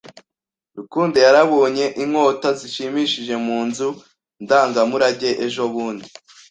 Rukundo yarabonye inkota zishimishije mu nzu ndangamurage ejobundi.